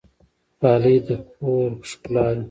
غالۍ د کور ښکلا ده